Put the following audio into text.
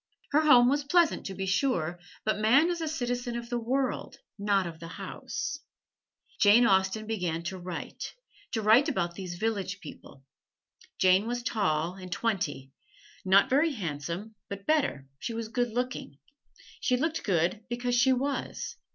Her home was pleasant, to be sure, but man is a citizen of the world, not of a house. Jane Austen began to write to write about these village people. Jane was tall, and twenty not very handsome, but better, she was good looking. She looked good because she was.